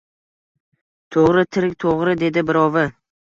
— To‘g‘ri, tirik, to‘g‘ri! — dedi birovi.